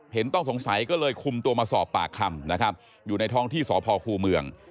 ต้องสงสัยก็เลยคุมตัวมาสอบปากคำนะครับอยู่ในท้องที่สพคูเมือง